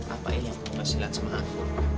apa ini yang kamu kasih lihat sama aku